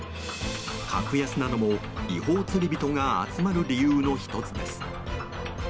格安なのも違法釣り人が集まる理由の１つです。